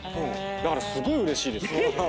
だからすごいうれしいです。